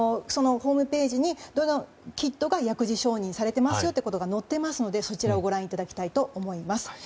ホームページにどのキットが薬事承認されてますよと載っていますのでそちらをご覧いただきたいと思います。